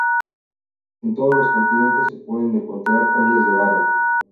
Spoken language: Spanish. En todos los continentes se pueden encontrar ollas de barro.